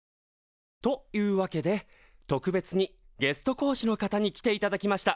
というわけで特別にゲスト講師の方に来ていただきました。